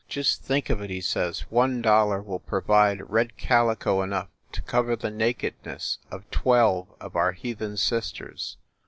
"Just think of it !" he says, "one dollar will pro vide red calico enough to cover the nakedness of twelve of our heathen sisters!